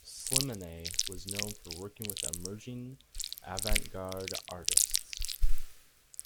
Slimane was known for working with emerging avant-garde artists.